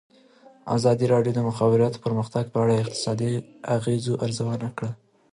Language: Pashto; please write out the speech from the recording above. ازادي راډیو د د مخابراتو پرمختګ په اړه د اقتصادي اغېزو ارزونه کړې.